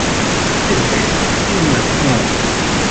C’est vrai, et nous l’assumons